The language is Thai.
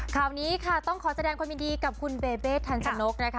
ข่าวนี้ค่ะต้องขอแสดงความยินดีกับคุณเบเบทันชนกนะคะ